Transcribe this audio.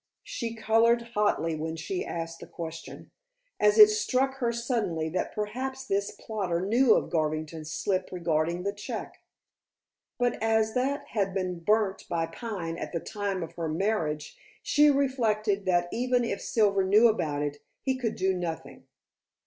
She colored hotly when she asked the question, as it struck her suddenly that perhaps this plotter knew of Garvington's slip regarding the check. But as that had been burnt by Pine at the time of her marriage, she reflected that even if Silver knew about it, he could do nothing.